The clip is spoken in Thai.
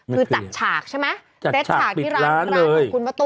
คือจัดฉากใช่มั้ย